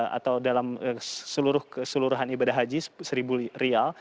kalau dalam seluruh keseluruhan ibadah haji rp satu